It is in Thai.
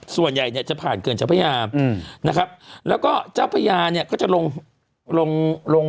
ส่วนใหญ่เนี่ยจะผ่านเขื่อนเจ้าพระยาอืมนะครับแล้วก็เจ้าพญาเนี่ยก็จะลงลง